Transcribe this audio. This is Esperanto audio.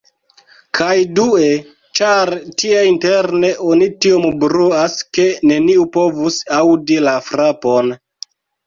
Kaj due, ĉar tie interne oni tiom bruas ke neniu povus aŭdi la frapon.